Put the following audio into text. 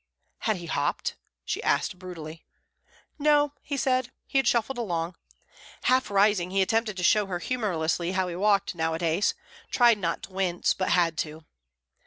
Had he hopped? she asked brutally. No, he said; he had shuffled along. Half rising, he attempted to show her humourously how he walked nowadays tried not to wince, but had to.